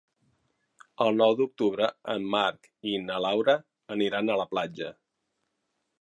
El nou d'octubre en Marc i na Laura aniran a la platja.